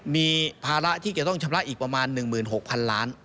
มีภาระที่จะต้องชำระอีกประมาณ๑๖๐๐๐ล้าน